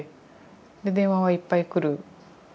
で電話はいっぱい来る。